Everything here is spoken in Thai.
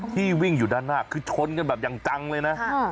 ที่วิ่งอยู่ด้านหน้าคือชนกันแบบอย่างจังเลยนะ